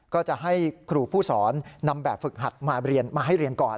ก็จะให้ครูผู้สอนนำแบบฝึกหัดมาเรียนมาให้เรียนก่อน